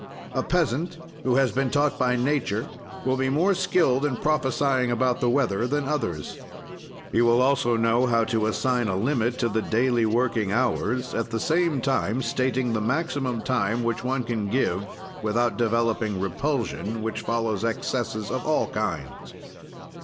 A peasant who has been taught by nature will be more skilled in prophesying about the weather than others. He will also know how to assign a limit to the daily working hours, at the same time stating the maximum time which one can give without developing repulsion, which follows excesses of all kinds.